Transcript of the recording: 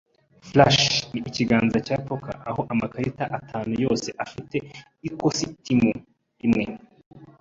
Flush ni ikiganza cya poker aho amakarita atanu yose afite ikositimu imwe.